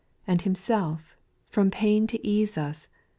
And Himself, from pain to ease us.